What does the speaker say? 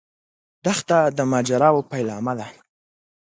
دښته د ماجراوو پیلامه ده.